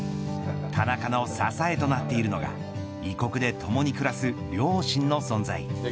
田中の支えとなっているのが異国でともに暮らす両親の存在。